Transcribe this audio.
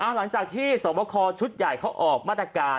หลังจากที่สวบคอชุดใหญ่เขาออกมาตรการ